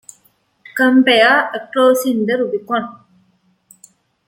Compare "crossing the Rubicon".